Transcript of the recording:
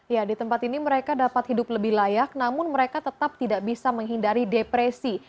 ya di tempat ini mereka dapat hidup lebih layak namun mereka tetap tidak bisa menghindari depresi